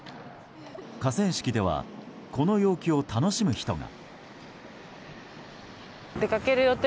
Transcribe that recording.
河川敷ではこの陽気を楽しむ人が。